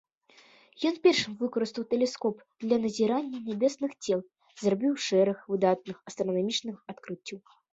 Ён першым выкарыстаў тэлескоп для назірання нябесных цел і зрабіў шэраг выдатных астранамічных адкрыццяў.